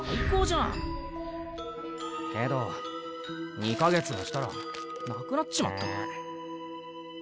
けど２か月もしたらなくなっちまった。